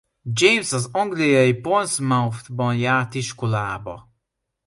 James az angliai Portsmouthban járt iskolába.